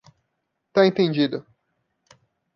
Tá entendido.